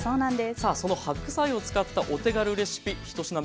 さあその白菜を使ったお手軽レシピ１品目